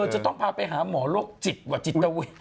จะต้องพาไปหาหมอโรคจิตกว่าจิตเวท